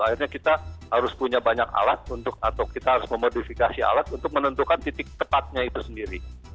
akhirnya kita harus punya banyak alat untuk atau kita harus memodifikasi alat untuk menentukan titik tepatnya itu sendiri